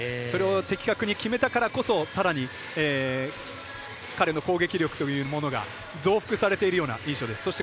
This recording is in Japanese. それを的確に決めたからこそさらに彼の攻撃力というものが増幅されているような印象です。